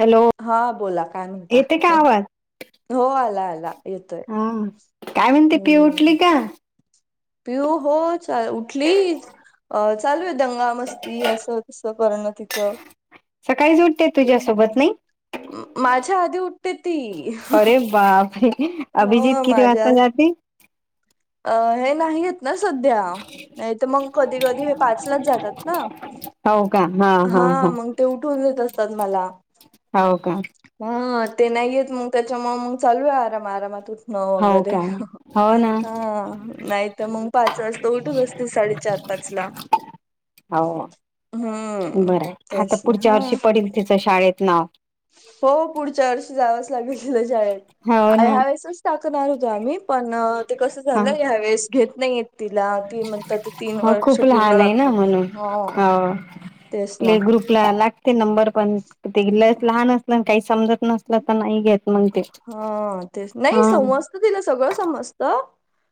Hello हा बोला काय म्हणता येते का आवाज हो आला आला येतोय. हा काय म्हणते पीऊ उठली हम्म. का? पिऊ हो च उठली. अ चालू आहे दंगा मस्ती असं तस करणं तिचं. सकाळी उठते म- तुझ्यासोबत नाही? माझ्या आधी उठते ती अरे बापरे अभिजित हो किती माझ्या. वाजता जाते अ हे नाहीयेत. ना सध्या नाही तर मग कधी कधी हे पाचलाच जातात ना. हो का हा हा हा. ते उठून देत असतात मला. हाव का. ह ते नाहीयेत मग त्याच्यामुळ मग चालू आहे आरामा आरामात उठन. हो बरंय हो ना हा नाही. तर मग पाच वाजत उठत असतील साडेचार पाच ला. हो हम्म बरं आहे. आता तेच ना पुढच्या हा. वर्षी पडेल तिचं शाळेत नाव. हो पुढच्या वर्षी जावंच लागेल तिला शाळेत. हो ना ह्या वेळेसच टाकणार होतो आम्ही पण ते कसं हा झालं ह्या वेळेस घेत नाहीयेत. तिला ती म्हणतात ते तीन वर्ष पूर्ण लागतात हो. हा. तेच ना. ला लागते नंबर पण ते ल लहान असलं काही समजत नसल तर नाही घेत. मग ते हा तेच नाही हा. समजतं तिला सगळं समजत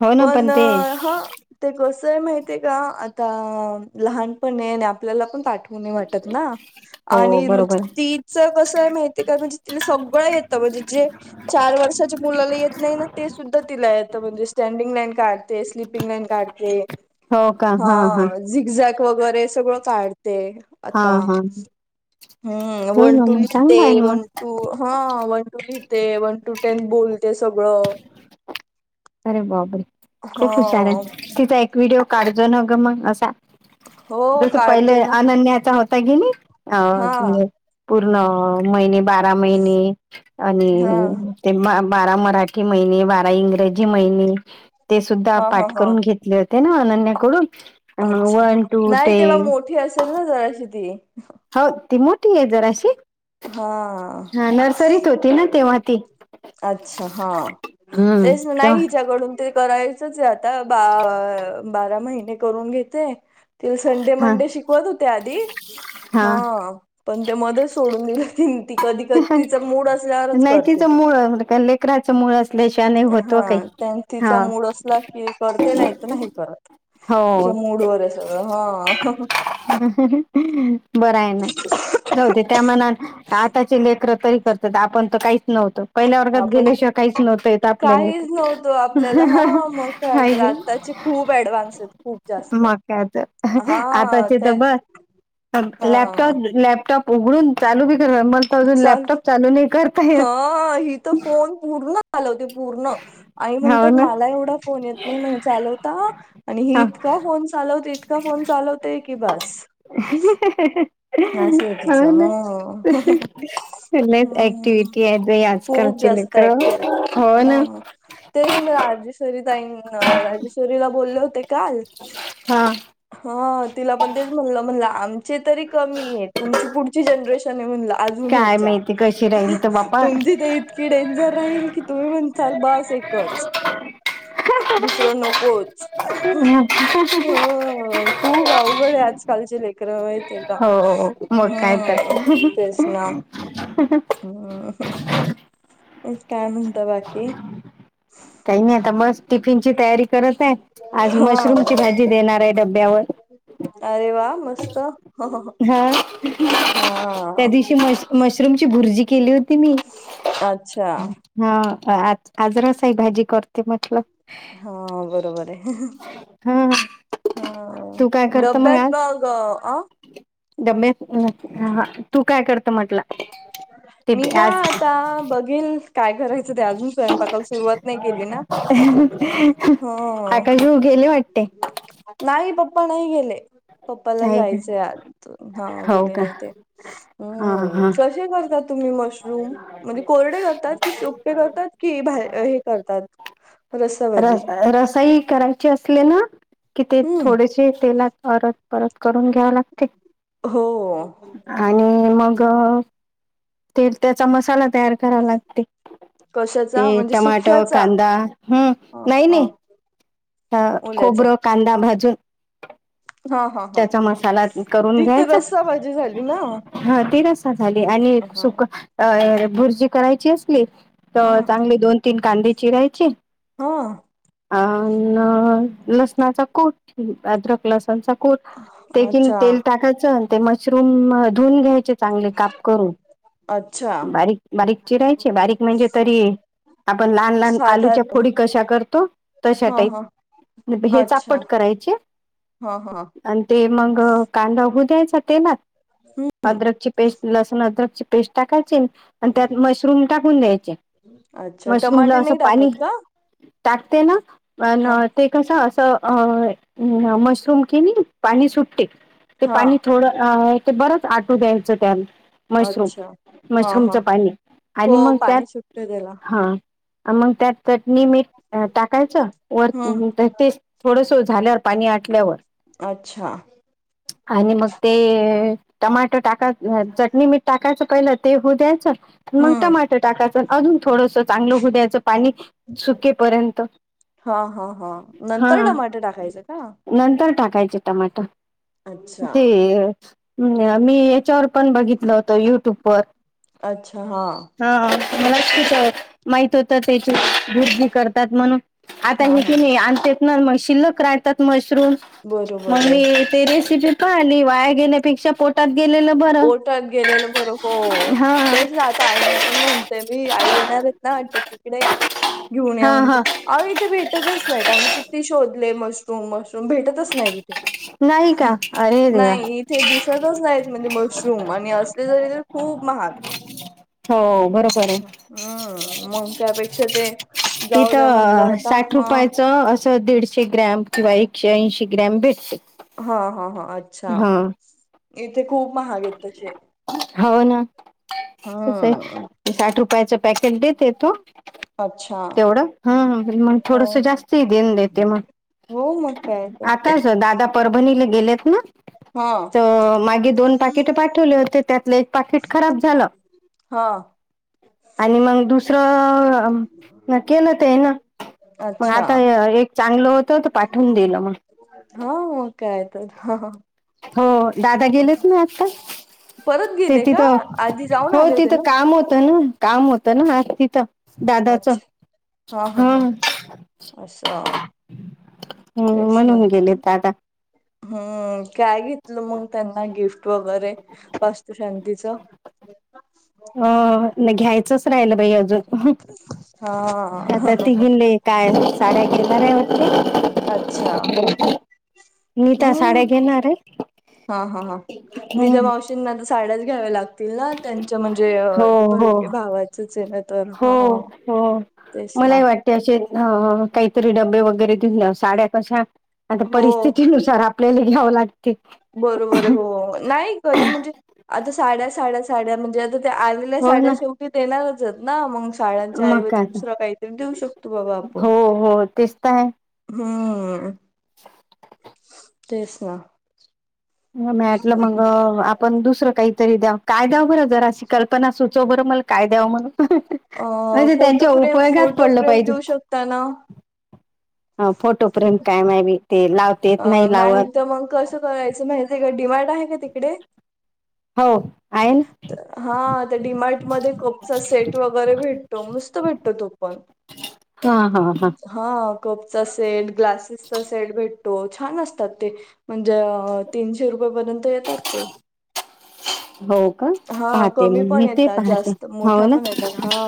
हो ना पण ते हा. ते कसं आहे माहिती आहे का आता लहानपण आहे आणि आपल्याला पण पाठव‌. वाटत ना हो आणि म्हणजे बरोबर तिचं कसं आहे माहिती आहे का म्हणजे तिला सगळं येत. म्हणजे जे चार वर्षाच्या मुलाला येत नाही ना ते सुद्धा तिला येतं म्हणजे स्टँडिंग लाईन काढ. ते स्लपिंग लाइन काढते. हा झिगझॅक वगैरे सगळं काढते. हा आता हा हम् हो वन ना टू मग लिहिते चांगलं आहे ना वन मग टू. हा वन, टू लिहिते वन, टू टेन बोलते सगळं. अरे बापरे हा खूप हुशार आहे तिचा एक व्हिडिओ काढजो न ग मग असा. हो जस काढते पहिले ना अनन्याचा होता. ताय की नई, आव हा म्हणजे पूर्ण महिने बा रा महिने हा आणि ते म बारा मराठी महिने बारा इंग्र जी महिने ते सुद्धा हा हा पाठ हा करून घेतले होते ना अनन्याकडून. आणि मग वन टू टे चल ना जराशी ती हो ती मोठी आहे जराशी, हा हा नर्सरीत होती ना तेव्हा ती. अच्छा हा, हम्म तेच ना तेव्हा नाही हिच्याकडून. ते करायचच आहे आता, बा-बारा महिने करून घेते. तिलं संडे हा मंडे शिकवत होते आधी, हा. पण ते मध्येच सोडून दिलं ती ती कधी कधी तिचा मूड असल्यावरच करते ती. लेकराचमुळ असल्याशिवाय. नाही होत ओ हा काही. त्यां हा तिचा मूड असला की करते नाही तर नाही करत. हो तिच्या मूडवर आहे सगळं हा. हह. बर आहे ना. जाऊदे त्या मानानं आताची लेकरं तरी करत्यात, आपण तर काहीच नव्हतो. पहिल्या हा वर्गात पण गेल्याशिवाय काहीच नव्हतं येत आपल्याले काहीच तर, नव्हतं आपल्याला हां मग काय हाय तर की. आत्ताचे खूप ऍडव्हान्स आहेत खूप जास्त. मग काय तर, हां आताचे तर ते बस हां लॅपटॉप, लॅपटॉप उघडून चालू बी करुन. तला अजून चाल लॅपटॉप चालू नाही करता हां ही तर येत. फोन पूर्ण चालवते पूर्ण आई हाव म्हणतात ना मला एवढा फोन येत नाही, म्हणे चालवता. आणि ही हा इतका फोन चालवते, इतका फोन चालवते की बास. [unintelligible] [unintelligible] तिचं हाव न, हां लयच हम्म. ऍक्टिविटी आहेत बाई आजकालचे लई कळ हो. ना हो तेच मी राजेश्वरी ताईनं राजेश पोरीला बोलले होते काल. हा हा तिला पण तेच म्हणलं म्हणलं, आमचे तरी कमी आहे तुमची पुढची जनरेशन आहे म्हणला अजून हेच्या. ही रावलत बा तुमची तर इतकी डेंजर राहील की, तुम्ही म्हणसाल बस एकच. दुसरं नकोच. हो खूप अवघड आहे, आजकालची लेकरं माहितीये का हो हो हो, मग काय तर हम्म तेच ना हम्म, काय म्हणता बाकी? काही नाही आता बस टिफिनची तयारी करत आहे, आज हा मशरूमची भाजी देणार आहे डब्यावर. अरे वाह मस्त हहह, हा हा. त्या दिवशी मश मशरूमची भुर्जी केली होती मी. अच्छा हा आज, आज रसाई भाजी करते म्हटलं. हा बरोबर आहे. हा हा तू काय करत डब्यात आज मग आ? डब्यात तू काय करत? म्हटला. [inaudible] मी का आता बघीन, काय करायचं ते अजून स्वयंपाकाला सुरुवात नाही केली ना. ह ह आकाश भाऊ गेले वाटतय. नाही पप्पा नाही गेले. पप्पाला नाही जायचंय आज तर, हा का हो गेले का नाही ते, हा हम्म. हा कसे करता तुम्ही मशरूम? म्हणजे कोरडे करतात की सुके करतात की भाय अ हे. करतात. रस्सा भाजी रस रसाई करायची असले ना कि ते हम्म थोडेसे तेलात अरथ परत करून घ्यावं लागते. हो. आणि मग ते त्याचा मसाला तयार. करा लागते कशाचा ते, म्हणजे टमाटर सुक्याचा कांदा हम्. ह नाही ह नाही. हां.. ओल्याचा खोबरं कांदा भाजून. हा हा हा. त्याचा मसाला ती तर‌ रस्साबाजी झाली ना. हां ते कसं, झाले आणि हा सुक अ भुर्जी करायची असली तर हा चांगले दोन तीन कांदे चिराय चे. हा. अ लसणाचा कु ट अद्रक. लसूणचा कूट अच्छा. तेल, टाकायचं मशरूम. धून घ्यायचे, चांगले काप करून. अच्छा. बारीक बारीक चिरायचे बारीक म्हणजे तरी. आपण लहान लहान साधारण आलूच्या फोडी कशा करतो. हा हा छटाईत ही अच्छा चापट कराय चे. हा हा आणि ते मग, कांदा होऊ द्यायचा तेलात. हम्. अद्रक ची पेस्ट लसण अद्रकची पेस्ट टाकायची, आणि त्यात मशरूम टाकून द्यायचे. अच्छा मशरूमला टमाटे असं, नाही पाणी टाकत का टाकते ना. पण हा ते कसं असं, अ.. मशरूम कि नाही पाणी सुटते. ते हा पाणी थोडं ते बरंच आटू द्यायचं त्या न. मशरूम, अच्छा हा हा मशरूमचं पाणी हो आणि मग त्यात पाणी सुटते त्याला हां. मग त्यात चटणी मीठ टाकायचं. वर हम्म तर तेच थोडंसं, झाल्यावर पाणी आटल्यावर. अच्छा. आणि मग ते टमाटर टाका, चटणी मीठ टाकायचं. पहिला ते होऊ द्यायचं मग, हम्म टमाट टाकायचं अजून थोडंसं. चांगलं होवू, द्याचं पाणी सुकेपर्यंत. हा हा हा हा नंतर टमाट टाकायचं का? नंतर टाकायचे टमाट. अच्छा ते मी हेच्यावर, पण बघितलं होतं युट्यूबवर. अच्छा हां. हा मला तेच माहित होतं त्याची वूध करतात म्हणून [unintelligible] आता हा हे हा की नाही आण ना, मग शिल्लक राह्यातात मशरूम. बरोबर मग आहे मी ते रेसिपी पाहिली, वाया घेण्यापेक्षा पोटात गेलेली. बोटात गेलेलं बरं हो हा तेच ना. ताईना पण म्हणतेय मी, आई येणारच ना वाटत तिकडे घेऊन येऊन या हा म्हण ते. हा अहो इथे भेटतच नाहीत, आम्ही किती शोधले मशरूम मशरूम. भेटतच नाही तिथे, नाही का अरे देवा नाही इथे दिसतच नाही. मशरूम आणि असले तरी तेखूप महाग. हो, बरोबर आहे. हम्म मग त्यापेक्षा ते. जाऊ द्या म्हणलं तिथं, होता साठ हा रुपयाचं असं. दीडशे ग्रॅम किंवा, एकशे ऐंशी ग्रॅम भेटते. हा हा हा अच्छा हा इथे खूप महाग आहेत तसे. हो ना. तसं हम्म आहे, साठ रुपयाच पॅकेट देत येतो. अच्छा. तेवढं हम, मगं अ थोडंसं जास्तं देन देते मग. हो मग काय आता. आताच दादा परभणीला गेलेत ना, तर मागे दोन पाकीट पाठवले होते त्यातले. पाकिट खराब झालं हा आणि मंग दुसरं म केलं ते ना मग अच्छा आता अ य एक चांगलं होतं तर पाठवून दिलं मंग. हा मग कायतर हा हा. हो दादा हा. गेलेत ना आता. परत ते गेले का तिथं आधी जाऊन हो आले होते तिथं ना काम होतं ना काम होतं ना हा तिथं. दादाचा अच्छा हा. असं हम्म तेच ना म्हणून गेलेत दादा. हम्म काय घेतलं मंग त्यांना गिफ्ट वगैरे तस तू शांतीचा अ नाही घ्यायचंच राहिल बाई अजून हा आता ती गेले. काय नाय साड्या घेणार आहे वाटतं. अच्छा नीता साड्या हम्म घेणार आहे हा हा हा निदा हं. मावशी तिन्नाच तर साड्याच घ्याव्या लागतील ना. त्यांच्या म्हणजे अ हो हे भय हो हे भावाचच आहे ना तर हा हा तेच ना. तसेच हा हा काहीतरी डब्बे वगैरे [unintelligible] साड्या कश्या आता हो परिस्थिती नुसा तर आपल्याला घ्यावं लाग बरोबर हो नाही कधी म्हणजे आता साड्या साड्या साड्या म्हणजे आता ते [unintelligible] तिले हो साड्या ना शेवटी देणारच आहेत ना मंग साड्यांच्या मग ऐवजी काय तर. दुसरा काहीतरी देऊ शकतो बाबा आपण. हो हो तेच तर आहे हम्म तेच ना. मग मॅटलं मग आप पण दुसरं काहीतरी द्याव काय द्याव बरं जराशी कल्पना सुचव बरं मला काय द्यावं म्हणून. अ म्हणजे फोटो त्यांच्या फ्रेम उपयोगात फोटो पडलं फ्रेम पाहिजे देऊ शकता ना. ह फोटो फ्रेम काय माय बी ते लावते अ येत नाही लावत. तर मग कसं करायचं माहिती आहे काय, डिमार्ट आहे का तिकडे? हो आहे ना हा त्या डिमार्ट मध्ये कपचा सेट वगैरे भेटतो मस्त भेटतो तो पण. हा हा हा. हा कपचा सेट ग्लासेसचा सेट भेटतो छान असतात ते. म्हणजे अ तीनशे रुपये पर्यंत येतात ते. हो का हा पाहते कमी मग पण मी ते येतात पाहते जास्त हो मोठा पण येतात हा.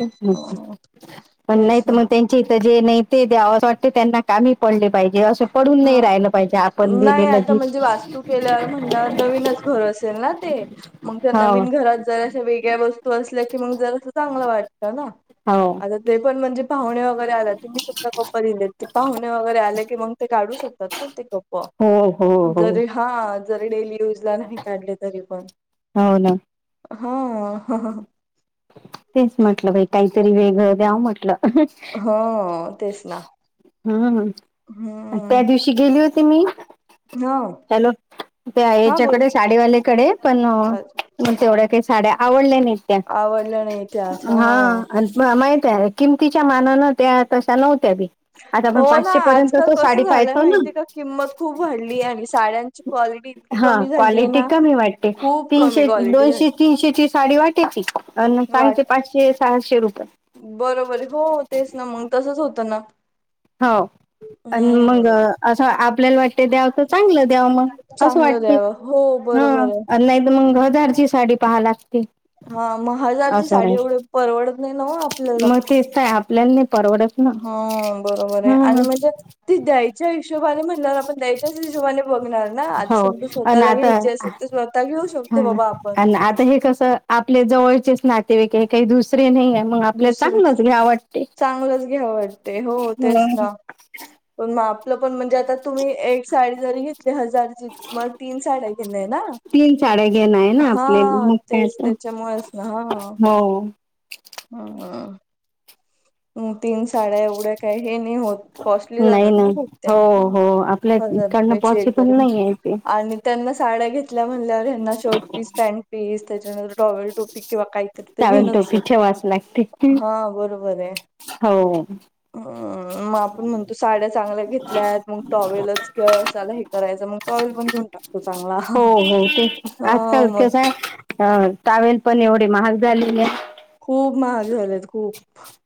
हम्म हम्म अ, हम्म पण तेच नाहीत ना मग त्यांच्या इथं जे नाही ते देवास वाटते त्यांना का माहित पडले पाहिजे असं पडून नाही हा राहिलं पाहि नाही आता म्हणजे वास्तू केल्यावर म्हणल्यावर नवीनच घर असेल ना ते. मंग त्या हो नवीन घरात जर अशा वेगळ्या वस्तू असल्या की मंग जरासा चांगलं वाटतं ना. हो आता ते पण म्हणजे पाहुणे वगैरे आलेत तुम्ही सुखा कोपा ते पाहुणे वगैरे आले की मंग काढू शकतात ना ती कपं हो हो हो जरी हा जरी डेली यूजला नाही काढले तरी पण हाव ना. हां. तेच म्हटलं बाई काहीतरी वेगळ द्याव म्हटलं. हां तेच ना हम्म. ती गेली होती मी हा. हॅलो त्या हा बोला हेच्याकडे साडीवाल्या कडे पण म्हण तेवढ्या काही साड्या आवडल्या नाहीत त्या. आवडल्या नाही त्याच हां. मला माहिती आहे. किमतीच्या मानानं त्या तशा नव्हत्या बी. आता हो आपण ना पाचशे पर्यंत आजकाल तो साडी कसं झालंय पाहयतो ना. माहितीय का किंमत खूप वाढली आणि साड्यांची क्वालिटी इतकी हा कमी झालीय क्वालिटी ना कमी वाटते, खूप कमी तीनशे क्वालिटी दोनशे झाली तीनशेची साडी वाट तेचीच आन सांगते पाचशे सहाशे रुपये. बरबर हो तेच ना, मंग तसंच होतं ना. हाव. आणि मग हम्म असं आपल्याला वाटतंय द्यावं तर चांगलं द्यावं मग असं चांगलं वाटतंय. द्यावं हो हां बरोबर आहे आन नायतर मंग हम्म. हजारची साडी पहाय लागते. हा म हजारची असं साडी नाही एवढी परवडत नाही नव्ह आपल्याला. हे आपल्या नाही परवडत. ना हा बरोबर आहे आणि ह म्हणजे ती द्यायच्या हिशोबाने म्हणणार आपण द्याय तशीच हिशोबाने बघणार ना आता हो समजा आणि स्वतःला आता घ्यायची असेल तर स्वतः घेऊ शकतो बाबा आप अन आता हे कसं आपल्या जवळचेच नातेवाईक हे, काही दुसरे नाहीये. मग आपल्याला दुसर चांगलंच घ्यावं वाटतंय, चांगलंच घ्यावं वाटते हो तेच हं. ना पण म आपलं पण म्हणजे आता तुम्ही एक साडी जरी घेतली हजारची तुम्हाला तीन साड्या घेनं हाय ना? तीन साड्या घेणं आहे ना आपल्याला हा मग काय तेच तर ते. च्या मुळंचना हा. हो. हांं हां. हं तीन साड्या एवढ्या काय हे नाही होत, कॉस्टली नाही जातात ना नाही खूप त्या हो हं. हो आपल्या हजार इकडनं रुपयाची एक पॉसिबल जरी म्हण नाही आहे ते आणि त्यांना साड्या घेतल्या म्हणल्यावर हेना शर्ट पीस, पॅनट पीस त्याच्यानंतर टॉवेल टोपी किंवा काही टॉवेल टोपी ठेवावच लागते की, हा हो. हं. म आपण म्हणतो साड्या चांगल्या घेतल्यात मग टॉवेलच कशाला हे करायचं मग टॉवेल पण घेऊन टाक. त्याच्यामुळं हो हाव हो आजकाल कसं हाय अ टॉवेलपण एवढी महाग झालेले खूप महाग झालेत खूप,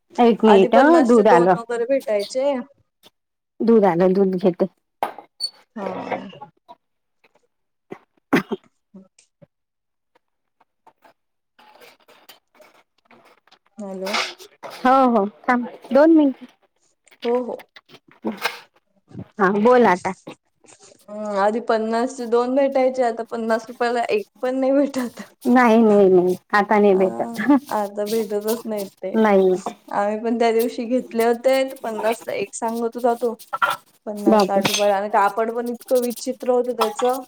आहे एक आधी मिनिट ह पन्नासचे दूध दोन आलं वगैरे भेटायचे. दूध आनन दूध घेते. हां. [inaudible] हॅलो. हो हो थांब दोन मिनट. हो हो. हा बोला आता. हम्म आदी पन्नासचे दोन भेटायचे आता पन्नास रुपयाला एक पण नाही भेटत. नाही नाही नाही. आता नाही अ भेटत आता भेटतच नाही ते. नाही आम्ही पण त्या दिवशी घेतले होते, पन्नासला एक सांगत होता तो. पन्नास साठ बापरे रुपयाला आणि कापड पण इतकं विचित्र होतं त्याचं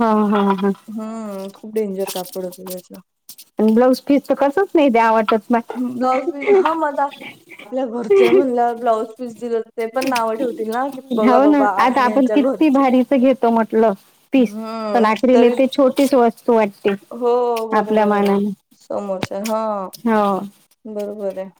हाव हा हा. हम्म खूप डेंजर कापड होतं त्याचं. आणि ब्लाऊज पीस तर कसंच नाही द्यावं वाटत ना. ब्लाऊज पीस हा म जा. आपल्या घरचं म्हणाल्यावर ब्लाउज पीस दिलं तेपण नावं ठेवतील ना, की बघा हो ना बाबा आता आम्ही आपण यांच्या घर किती भारीच घेतो म्हटलं पीस, पण हम्म अखरीले तरी ती छोटीच वस्तू वाटते. हो आपल्या बरोबर आहे ना मानाने समोरच्या हा. हो. बरोबर हाय.